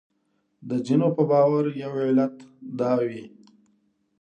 د ځینو په باور یو علت دا وي.